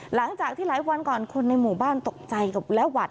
หลังจากที่หลายวันก่อนคนในหมู่บ้านตกใจกับและหวัด